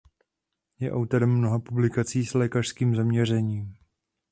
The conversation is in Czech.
Je autorem mnoha publikací s lékařským zaměřením.